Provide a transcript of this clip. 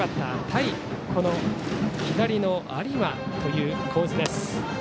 対左の有馬という構図です。